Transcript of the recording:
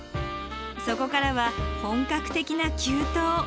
そこからは本格的な急登。